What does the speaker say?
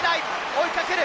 追いかける！